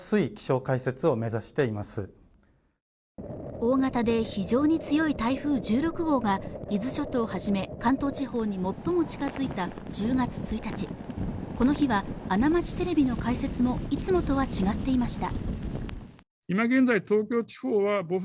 大型で非常に強い台風１６号が伊豆諸島をはじめ関東地方に最も近づいた１０月１日この日は「あな町テレビ」の解説もいつもとは違っていました